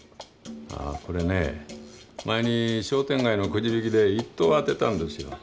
これね前に商店街のくじ引きで１等を当てたんですよ。